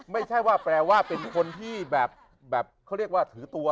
ไม่ใช่ว่าแปลว่าเป็นคนที่แบบเขาเรียกว่าถือตัว